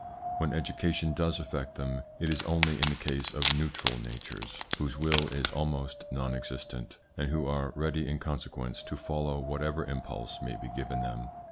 When education does affect them, it is only in the case of neutral natures, whose will is almost non existent, and who are ready in consequence to follow whatever impulse may be given them.